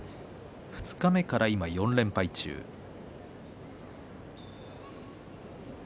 二日目から４連敗中です。